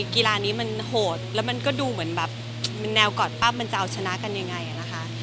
กีฬานี้มันโหดแล้วมันก็ดูเหมือนแบบแนวก่อนปั๊บมันจะเอาชนะกันยังไงนะคะ